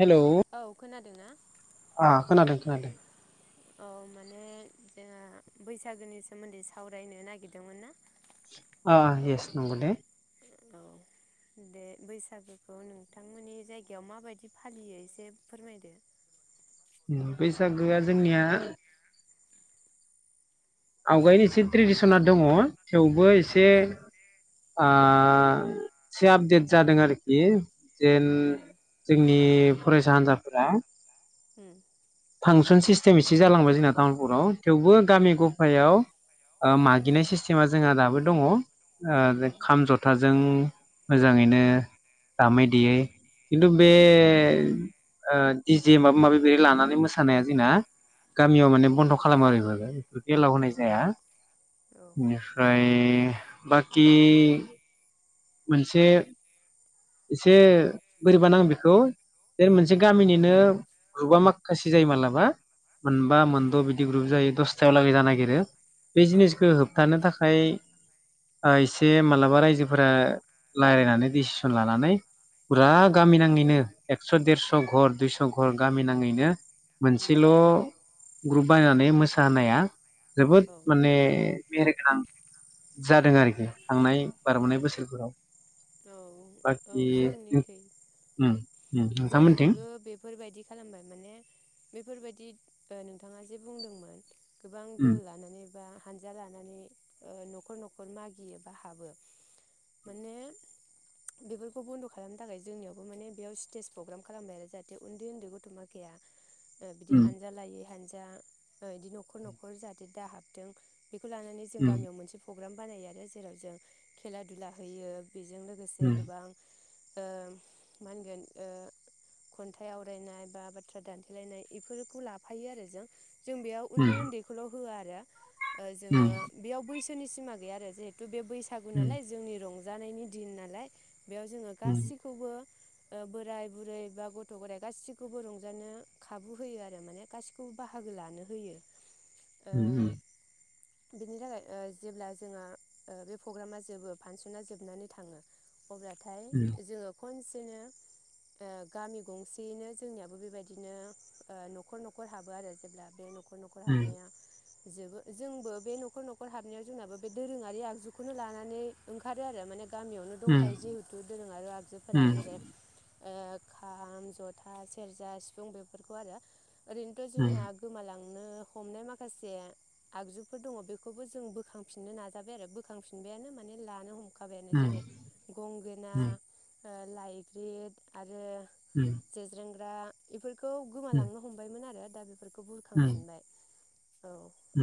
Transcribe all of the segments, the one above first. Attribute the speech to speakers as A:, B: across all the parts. A: Hello
B: औ खोनादों। दोंना?
A: आ खोनादों खोनादों।
B: औ माने जोंङो बैसागोनि सोमोन्दै सावरायनो नागिरदोंमोन ना?
A: अ येस नंगौ दे।
B: औ दे बैसागोखौ नोंथांमोननि जायगायाव माबायदि फालियो एसे फोरमायदो?
A: बैसागोआ जोंनिया आवगायनि एसे ट्रेडिसना दङ, थेवबो एसे आ एसे आपडेट जादों आरोखि जेन
B: उम
A: जोंनि फरायसा हान्जाफोरा
B: उम
A: फांसन सिस्टेमैसो जालांबाय जोंना तामुलपुराव, थेवबो गामि गफायाव ओ
B: उम
A: मागिनाय सिस्टेमा जोंहा दाबो दङ ओ
B: उम
A: खाम, जथाजों मोजाङैनो दामै देयै
B: उम
A: खिन्थु बे ओ डिजे माबा माबि बेहाय लानानै मोसा सानाया जोंना गामियाव माने बन्द खालामो आरो बेफोरखो एलाव
B: औ
A: होनाय जाया
B: औ
A: बिनिफ्राय ए बाखि मोनसे इसे बोरैबा नाङो बेखौ मोनसे
B: होमबा
A: गामिनिनो ग्रुपा माखा खासि जायो मालाबा मोनबा
B: अ
A: मोनद' बिदि ग्रुप जायो दसथायाव लागि जानो नागिरो। बे
B: औ
A: जिनिसखौ होबथानो थाखाय फाय ओ इसे मालाबा रायजोफोरा लारायनानै डिसि सन लानानै
B: औ
A: फुरा
B: उम
A: गामि नाङैनो एक्स‌ देरस घर दुइस घर गामि नाङैनो मोनसेल ग्रुप बानायनानै मोसा होनाया जोबोद
B: औ
A: माने मेहेरखां जादों आरोखि थांनाय बारबोनाय बोसोरफोराव।
B: औ औ
A: बाखि
B: जोंनिखै
A: उम -उम नोंथां मोनथिं?
B: जोंनिखैबो बेफोरबायदि खालामबाय माने बेफोरबायदि ओ नोंथाङा जे बुंदोंमोन। गोबां दल
A: उम
B: लानानै बा हान्जा लानानै ओ न'खर न'खर मागियो बा हाबो माने बेफो। खौ बन्द खालामनो थाखाय जोंनि माने बेयाव स्टेज प्रग्राम खालामबाय आरो जाहाथे उन्दै उन्दै गथ माखाया। ओ बिदि
A: उम
B: हानजा लायै हानजा। दा ओ इदि न'खर न'खर जाहाथे दा हाबथों बेखौ लानानै जों
A: उम
B: गामियाव मोनसे। प्रग्राम बानायो आरो जेराव जों खेला दुला होयो। बेजों लोगोसे
A: उम
B: गोबां। ओ मा होनगोन ओ खन्थाइ आवरायनाय बा बाथ्रा दानथेलायनाय इफोरखौ लाफायो आरो जों। जों बेयाव
A: उम
B: उन्दै उन्दैखौल। होया आरो। ओ
A: उम
B: जोङो बेयाव बैसो। फोरनि सिमा गैया आरो जेहेटु बे। बैसागु
A: उम
B: नालाय जोंनि रं। जानायनि दिन नालाय। बेयाव जोङो
A: उम उम
B: गासिखौबो। ओ बोराय-बुरै बा गथ- गथाइ गासिखौबो रंजानो खाबु होयो आरो माने गासिखौबो बाहागो लानो होयो। ओ
A: उम उम।
B: बिनि थाखाय ओ जेब्ला जोंहा ओ बे प्रग्रामा जोबो फांसना जोबनानै थाङो। अब्लाथाय
A: उम
B: जोङो। खनसेनो ओ गामि गंसेयैनो जोंनियाबो बेबायदिनो ओ न'खर न'खर हाबो आरो जेब्ला बे न खर न'खर हाबनाया जोबो जोंबो बे न'खर न'खर हाबनायाव जोंनाबो बे दोरोङारि आगजुखौनो लानानै ओंखारो आरो माने गामियावनो।
A: उम
B: अखाय जिहेटु दोरोंआरि आरो आगजुफोरा
A: उम
B: जेरै ओ खाम-जथा सेरजा सिफुं बेफोरखौ आरो। ओरैनोथ जोंना
A: उम
B: गोमालां। नो हमनाय माखासे आगजुफोर दङ बेखौबो जों बोखांफिननो नाजाबाय आरो बोखांफिनबायानो माने लानो हम। खाबायानो जेरै गंगोना। ओ लाइग्रिद आरो।
A: उम
B: जेर्जें। गा इफोर।
A: उम।
B: दा बेफोरख खौ
A: उम
B: बुरखांफिननाय औ ओ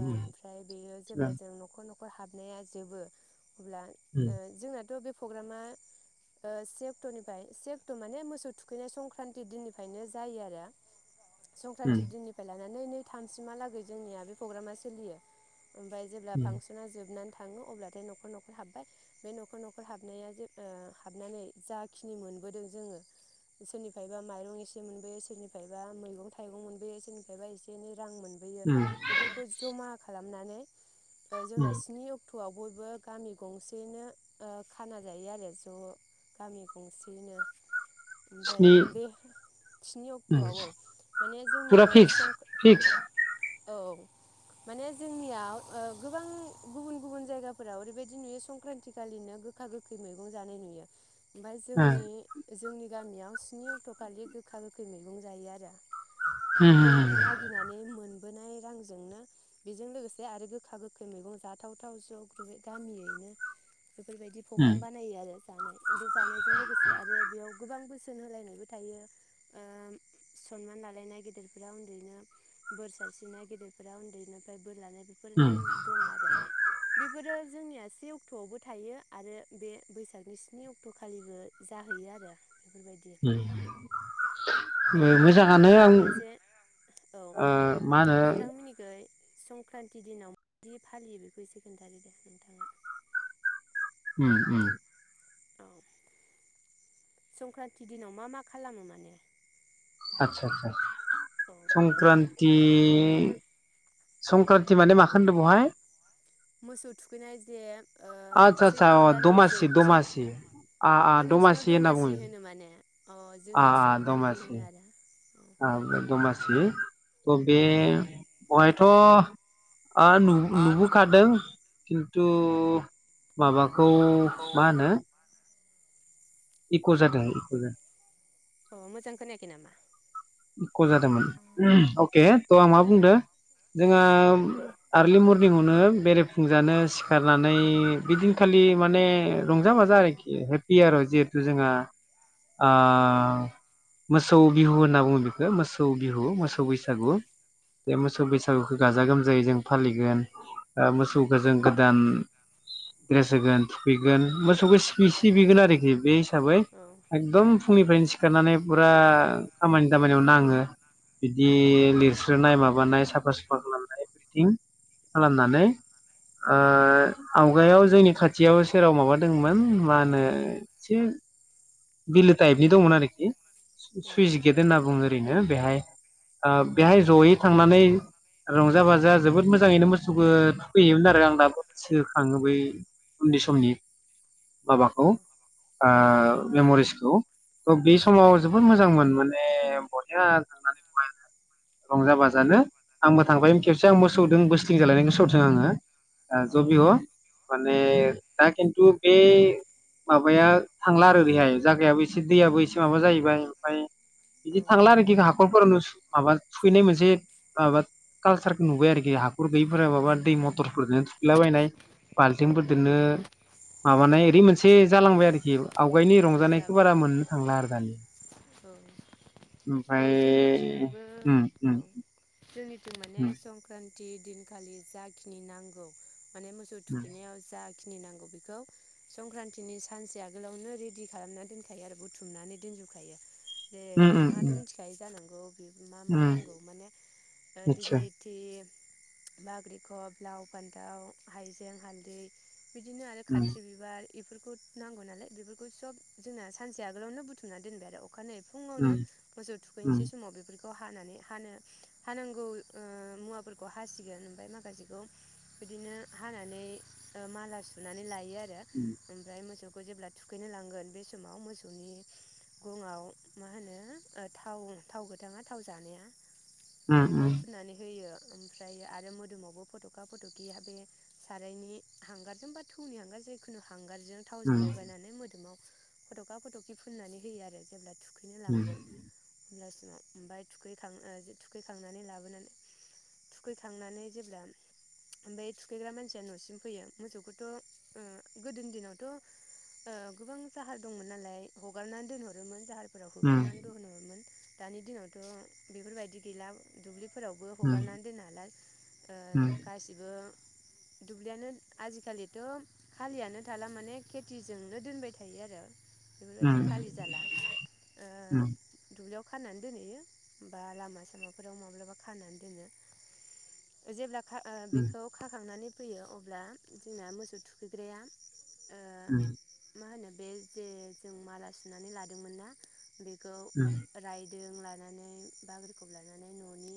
B: ओमफ्राय बेयो जेब्ला जों नखर नखर बो हाबनाया जोबो अब्ला ओ जोंङो [unintelligible] फ्ग्रामा ओ से अक्टनिफ्राय से अक्ट माने मोसौ थुखैनाय संक्रान्ति दिननिफ्रायनो जायो आरो संक्रान्ति
A: स्नि
B: दिननिफ्राय लानानै नै थामसिमहालागै जोंनिया बे पग्रामा सोलियो। ओमफाय जेब्ला फांसना जोबनानै थाङो अब्लाथाय नखर नखर हाबबाय बे नखर नखर हाबनाया जे ओ हाबनानै जाखिनि मोनबोदों जोङो सोरनिफ्रायबा माइरं एसे मोनबोयो सोरनिफ्रायबा मैगं थाइगं मोनबोयो सोरनिफ्रायबा एसे एनै रां मोनबोयो बेफोरखौ जमा खालाम नानै ओ जोंना स्नि अक्ट आव बयबो गामि गंसेयैनो ओ खाना जायो आरो ज' गामि गंसेयैनो। ओमफ्राय बे स्नि अक्टआव औ माने
A: फुरा
B: जोंनिखै
A: फिक्स
B: सं
A: फिक्स
B: औ माने जोंनियाव ओ गोबां गुबुन गुबुन जायगाफोराव ओरैबायदि नुयो संक्रान्ति खालिनो गोखा गोखै मैगं जानाय नुयो। ओमफाय जोंनि जोंनि गामियाव स्नि अक्टखालि गोखा गोखै मैगं जायो आरो बे
A: मोजाङानो
B: मागिनानै मोनबोनाय रांजोंनो बेजों लोगोसे आरो गोखा गोखै मैगं जाथावथाव ज ग्रुबै गामियैनो बेफोरबायदि पग्राम बानायो आरो जानाय बे जानायजों लोगोसे आरो बेयाव गोबां बोसोन होलायनायबो थायो ओ सनमान लालायनाय गेदेरफोरा उन्दैनो बोर सारस्रिनाय गेदेरफोरा उन्दैनिफाय बोर लानाय बेफोर नेम दं आरो बेफोरो जोंनिया सि से अक्टआवबो थायो आरो बे बैसागनि स्नि अक्टखालिबो जाहैयो आरो बेफोरबायदि औ नोंथांमोननिखै
A: आं
B: मोनसे औ
A: ओ
B: माने
A: मा होनो
B: नोंथांमोननिखै संक्रान्ति दिनाव मादि फालियो बेखौ एसे खिन्थादो दे नोंथाङा।
A: उम उम
B: औ संक्रान्ति दिनाव मा मा खालामो माने
A: आतसा आतसा
B: औ
A: संक्रान्ति संक्रान्ति माने माखो होनदो बहाय
B: मोसौ थुखैनाय जे ओ
A: आतसा आतसा
B: सैत्र'
A: अह
B: दाननि
A: दमासि
B: जोबथि
A: दमासि आ आ
B: अ नोंसिनाव
A: दमासि होनना बुङो।
B: होनो माने अ
A: आ
B: जोंनियाव
A: आ
B: संक्रान्ति
A: दमासि
B: होनो आरो
A: आ बे दमा [unintelligible] खौ बे
B: औ
A: थ आ नुबो-नुबोखादों किन्तु माबा खौ मा होनो इक जादों
B: औ
A: इक जादों
B: औ मोजां खोनायाखै नामा
A: इख जादोंमोन अके थ आं मा बुंदों? जोंहा आर्लि मरनिंआवनो बेरायफुंजानो सिखारनानै बिदिनखालि माने रंजा बाजा आरोखि हेपि आरो जिहेतु जोंहा आ
B: उम
A: मोसौ बिहु होनना बुङो बेखो मो सौ बिहु
B: औ
A: मोसौ बैसागु
B: औ
A: बे मोसौ बैसागुखौ गाजा गोमजायै जों फालिगोन ओ
B: उम
A: मोसौखौ जों गोदान द्रेस होगोन थुखैगोन मोसौखौ सि-सिबिगोन आरोखि बे हिसाबै
B: औ
A: एदम फुंनिफ्रायनो सिखारनानै फुरा खामानि दामानियावनो नाङो बिदि
B: औ
A: लिरस्रो नाय माब माबानाय साफा सुफा खालामनाय एभ्रिथिं
B: उम
A: खालामनानै ओ
B: उम
A: आवगायाव जोंनि खाथियावो सेराव माबादोंंमोन मा होनो एसे बिलो टाइपनि दंमोन आरोखि
B: औ
A: सुइस गेद होनना बुंङो ओरैनो बेहाय ओ
B: उम
A: बेहाय जयै थांनानै रंजा बाजा जोबोद मोजाङैनो मोसौखौ थुखैयोमोन आरो आं दाबो गोसोखाङो बै उनदै समनि माबाखौ
B: औ औ
A: ओ मेमरिसखौ थह बे
B: औ
A: समाव जोबोद मोजां मोन माने बहरिया थांनानै बाय रंजा-बाजानो आंबो थांबाय
B: उम
A: खेबसे आं मोसौदों बो थिं जालायनायखौ गोसोआव दों आङो ओ ज बि
B: अ
A: ह माने
B: औ
A: दा किन्तु बे माबाया थांला आरो दैहाय जायाबो एसे दैयाबो एसे माबा जाहैबाय ओमफ्राय बिदि थांला आरोखि हा हाखरफोरनो माबा सुहैनाय मोनसे माबा कालसारखौ नुबाय आरोखि हाखर गैयैफोरा माबा दै मथरफोरजों थुखैलाबायनाय
B: औ
A: बालथिंफोरजोंनो माबानाय बे मोनसे जालांबाय आरोखि आव गाइनि
B: औ
A: रंजानायखौ
B: जाबाय
A: बारा मोननो थांला आरो दानिया।
B: औ औ
A: ओमफाय
B: जोंनिथिंबो
A: ओम ओम
B: थिं माने संक्रान थि दिनखालि जाखिनि नांगौ माने मोसौ
A: उम
B: थुखैनायाव जा नि नांगौ बेखौ संक्रान्तिनि सानसे आगोलावनो रि दि खालामना दोनखायो आरो बुथुमनानै दोनजोबखायो जे
A: उम
B: नोंथाङाथ'
A: उम
B: मिथिखाय जानो औ मा मा
A: उम
B: नांगौ माने ओ
A: नितसय
B: दिगलिथि बाग्रिखब लाव फान्थाव हायजें हालदै बिदिनो आरो
A: उम
B: खाथ्रि बिबार इफोरखौ नांगौ नालाय बेफोर खौ सब जोंना सानसे आगोलावनो बुथुमना दोनबाय आरो अ खानायै फुङावनो
A: उम
B: मोसौ
A: उम
B: थुखैनोसै समाव बेफोर खौ हानानै हानो हानांगौ ओ मुवाफोरखौ हासिगोन ओमफ्राय माखासेखौ बिदिनो हानानै ओ माला सुनानै लायो। यो आरो
A: उम
B: आमफ्राय मोसौ खौ जेब्ला थुखैनो लांगोन बे समाव मोसौनि गंआव मा होनो थाव थाव गोथाङा थाव जानाया
A: उम
B: बेखौ
A: उम
B: फुननानै होयो। ओमफ्रायो आरो मोदोमावबो फटखा फटखि बे सारायनि हांगारजों बा थौनि हांगार जिखुनु हांगार बिजों
A: उम
B: थावजों ल मोदोमाव फटखा फटखि फुननानै होयो आरो जेब्ला थुखैनो
A: उम
B: लांगोन होमब्लास ओमफाय थुखै थुखैखांनानै लाबोनानै थुखैखांनानै जेब्ला ओमफाय थुखैग्रा मानसिया नसिम फैयो मोसौखौथ' ओ गोदोनि दिनावथ' ओ गोबां जाहार दंमोन नालाय हगारनानै दोनहरोमोन जाहार फोराव
A: उम
B: होखोनानै दोनहरोमोन। दानि दिनावथ' बेफोरबायदि गैला दुब्लि फोरावबो
A: उम
B: हगारनानै दोननो हाला ओ गासिबो दुब्लियानो आजिखालिथ खालियानो थाला माने खेथिजोंनो दोनबाय थायो आरो। बेफोरबायदि खालि जाला ओ
A: उम
B: दुब्लियाव खानानै दोनहैयो लामा सामाफोराव माब्लाबा खानानै दोनो जेब्ला खा ओ बेखौ खाखांनानै फैयो अब्ला जोंना मोसौ थुखैग्राया ओ
A: उम
B: मा होनो बे जे जों माला सुनानै लादोंमोन ना बेखौ
A: उम
B: राय दों लानानै बाब्रिखब लानानै ननि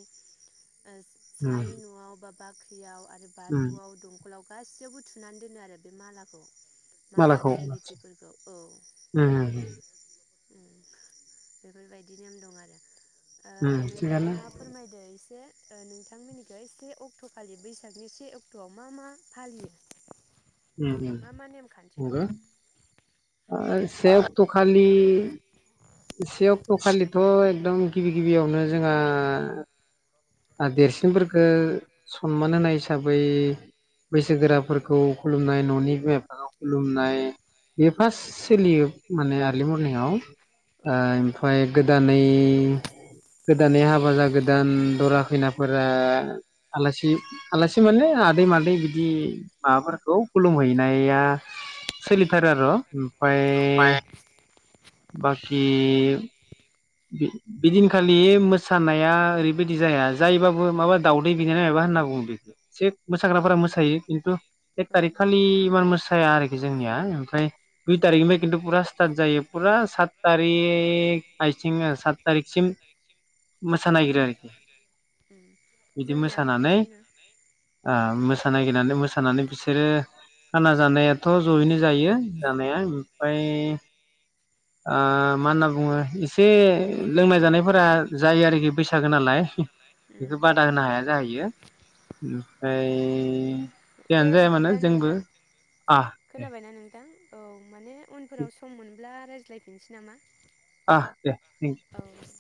B: ओ साहानि नआव बा बाख्रियाव आरो
A: उम
B: बाथौआव दं स्कुलाव गासैयावबो थुनानै दोनो आरो बे मालाखौ माला
A: मालाखौ
B: दिगिलिटिफोरखौ औ
A: उम
B: बेफोरबायदि नेम दं आरो। ओ
A: उम थिगानो
B: नोंथाङा फोरमायदो एसे ओ नोंथांमोननि खै से अक्टखालि बैसागनि से अक्टआव मा मा फालियो?
A: उम
B: मा मा नेमखान्थि
A: उम
B: दं औ
A: से अक्थ खालि से अक्ट खालिथ एकदम गिबि गिबियावनो जोंङो आरो देरसिनफोरखौ सनमान होनाय हिसाबै बैसोगोरा
B: औ
A: फोरखौ खुलुमनाय न'नि बिमा बिफाखौ खुलुमनाय बेयो फारस सोलियो माने आरलि मरनिंआव
B: औ
A: आमफाय गोदानै गोदानै हाबा जागोदान दरा खैनाफोरा आलासि आलासि माने आदै, मादै बिदि माबाफोरखौ खुलुमहैनाया सोलिथारो आर उम
B: ओमफाय
A: बाखि बि बिदिनखालि मोसानाया ओरैबायदि जाया जायोबाबो माबा दावदै बिनाय माबा होनना बुंङो बेखौ ए मोसाग्राफोरा मोसायो खिन्थु एक थारिख खालि इमान मोसाया आरोखि जोंनिया ओमफ्राय दुइ
B: औ
A: थारिकनिफ्राय खिन्थु फुरा स्टार्ट जायो फुरा सात थारिक आइथिं सात तारिख सिम
B: उम
A: मोसानोागिरो आरोखि बिदि
B: जोंनियाबो
A: मोसानानै
B: बिदिनो
A: ओ
B: उम
A: मोसानोगिरनानै मोसानानै बिसोरो खाना जानाय थ जयैनो जायो जानाया
B: उम
A: ओमफाय आ माहोनना बुंङो इ बे
B: एसे
A: लोंनाय जानायफोरा
B: लोंनाय जानायफोरा
A: जायो आरोखि
B: जायो
A: बैसागो
B: आरोखि
A: नालाय
B: बैसागो नालाय
A: बेखौ
B: उम
A: बादा होनो हाया जाहैयो ओमफ्राय ओ
B: दे बिदिब्ला नोंथां
A: आ दे
B: खोनाबायना नोंथां औ माने उनफोराव सम मोनब्ला रायज्लाय रायलायफिननोसै नामा
A: अ दे थेंक
B: औ